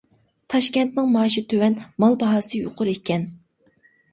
تاشكەنتنىڭ مائاشى تۆۋەن، مال باھاسى يۇقىرى ئىكەن.